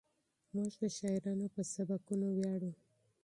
موږ د شاعرانو په سبکونو ویاړو.